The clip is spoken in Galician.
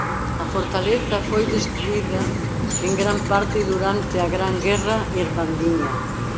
A fortaleza foi destruída en gran parte durante a Gran guerra irmandiña.